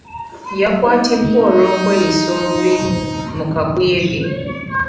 Yakwatibwa olw'okweyisa obubi mu kakuyege.